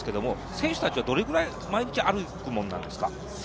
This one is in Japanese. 選手たちはどれくらい毎日歩くものなんですか？